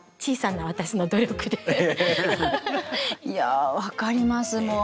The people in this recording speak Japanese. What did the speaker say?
いや分かります。